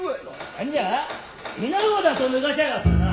何じゃ稲子だとぬかしやがったな。